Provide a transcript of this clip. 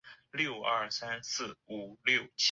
其母亲则于后来和一名商人结婚。